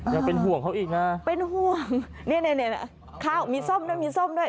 ยังเป็นห่วงเขาอีกนะเป็นห่วงนี่ข้าวมีส้มนะมีส้มด้วย